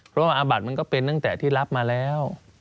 เพราะว่าอาบัติมันก็เป็นตั้งแต่ที่รับมาแล้ว